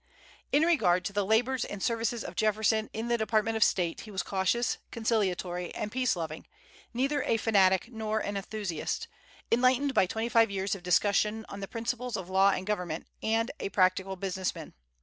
In regard to the labors and services of Jefferson in the Department of State, he was cautious, conciliatory, and peace loving, "neither a fanatic nor an enthusiast," enlightened by twenty five years of discussion on the principles of law and government, and a practical business man.